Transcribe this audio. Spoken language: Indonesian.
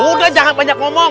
udah jangan banyak ngomong